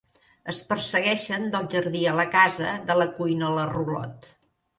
Es persegueixen del jardí a la casa, de la cuina a la rulot.